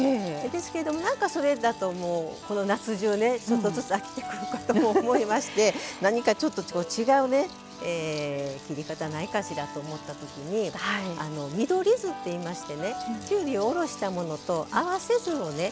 ですけども何かそれだともうこの夏じゅうねちょっとずつ飽きてくるかと思いまして何かちょっと違うね切り方ないかしらと思った時にあの緑酢っていいましてねきゅうりおろしたものと合わせ酢をね